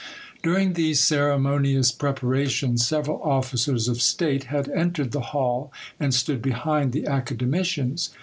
During these ceremonious preparations several officers of state had entered the hall, and stood behind the academicians.